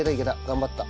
頑張った。